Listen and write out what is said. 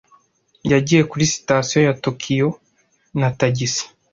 Yagiye kuri sitasiyo ya Tokiyo na tagisi.